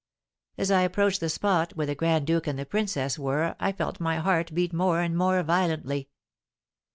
As I approached the spot where the grand duke and the princess were I felt my heart beat more and more violently.